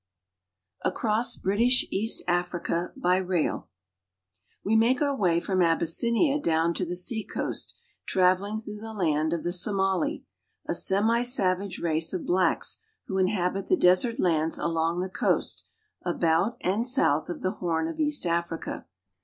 ACROSS BRITISH EAST AFRICA BY RAIL WE make our way from Abyssinia down to the sea coast, traveling through the land of the Somali (so ma'le), a semisavage race of blacks who inhabit the desert lands along the coast about and south of the Horn of East Africa.